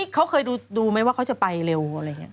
เขาเคยดูไหมว่าเขาจะไปเร็วอะไรอย่างนี้